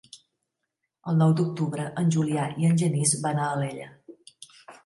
El nou d'octubre en Julià i en Genís van a Alella.